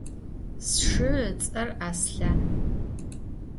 Sşşı ıts'er Aslhan.